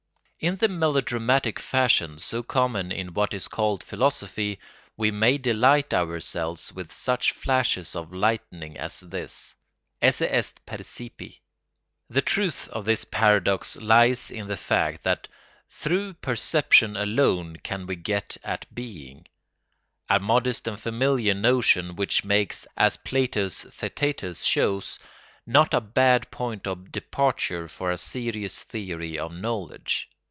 ] In the melodramatic fashion so common in what is called philosophy we may delight ourselves with such flashes of lightning as this: esse est percipi. The truth of this paradox lies in the fact that through perception alone can we get at being—a modest and familiar notion which makes, as Plato's "Theætetus" shows, not a bad point of departure for a serious theory of knowledge.